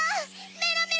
メロメロ。